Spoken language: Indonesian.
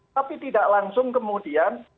tapi tidak langsung kemudian